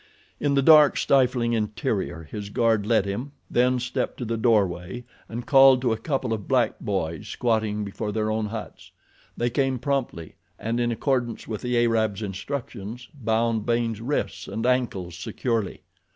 In the dark, stifling interior his guard led him, then stepped to the doorway and called to a couple of black boys squatting before their own huts. They came promptly and in accordance with the Arab's instructions bound Baynes' wrists and ankles securely.